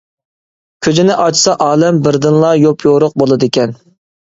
كۆزىنى ئاچسا ئالەم بىردىنلا يوپيورۇق بولىدىكەن.